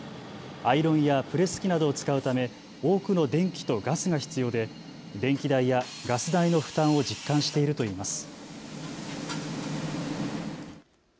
アイロンやプレス機などを使うため多くの電気とガスが必要で電気代やガス代の負担を実感しているといいます。